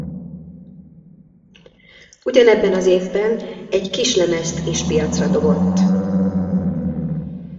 Ugyanebben az évben egy kislemezt is piacra dobott.